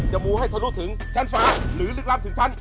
มูให้ทะลุถึงชั้นฟ้าหรือลึกลับถึงชั้น